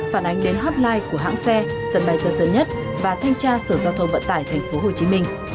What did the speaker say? phản ánh đến hotline của hãng xe sân bay tân sơn nhất và thanh tra sở giao thông vận tải tp hcm